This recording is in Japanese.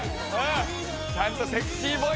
ちゃんとセクシーボイスだ。